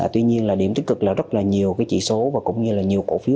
tuy nhiên điểm tích cực là rất nhiều chỉ số và cũng như nhiều cổ phiếu